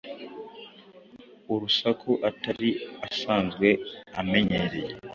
urusaku atari asanzwe amenyere